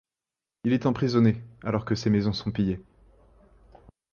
Il est emprisonné, alors que ses maisons sont pillées.